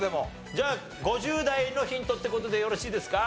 じゃあ５０代のヒントって事でよろしいですか？